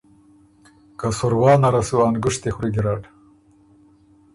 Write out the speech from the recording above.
که سُروا نره سو ا نګُشتی خوری ګیرډ